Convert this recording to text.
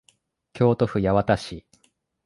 京都府八幡市